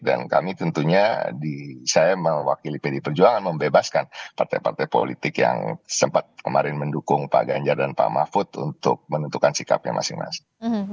dan kami tentunya saya mewakili pdi perjuangan membebaskan partai partai politik yang sempat kemarin mendukung pak ganjar dan pak mahfud untuk menentukan sikapnya masing masing